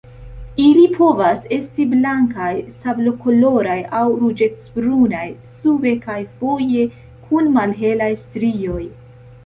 Ili povas esti blankaj, sablokoloraj aŭ ruĝecbrunaj sube, kaj foje kun malhelaj strioj.